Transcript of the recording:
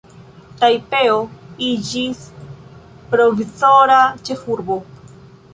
Tajpeo iĝis provizora ĉefurbo.